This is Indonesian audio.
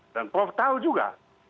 dan prof tahu juga